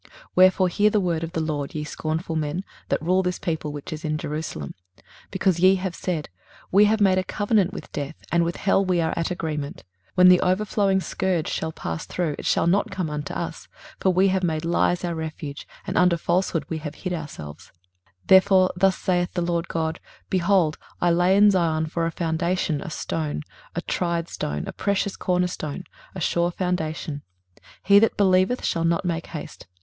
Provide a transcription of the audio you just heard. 23:028:014 Wherefore hear the word of the LORD, ye scornful men, that rule this people which is in Jerusalem. 23:028:015 Because ye have said, We have made a covenant with death, and with hell are we at agreement; when the overflowing scourge shall pass through, it shall not come unto us: for we have made lies our refuge, and under falsehood have we hid ourselves: 23:028:016 Therefore thus saith the Lord GOD, Behold, I lay in Zion for a foundation a stone, a tried stone, a precious corner stone, a sure foundation: he that believeth shall not make haste.